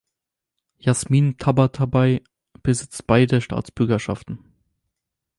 Jasmin Tabatabai besitzt beide Staatsbürgerschaften.